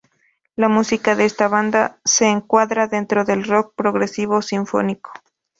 La música de esta banda se encuadra dentro del rock progresivo sinfónico.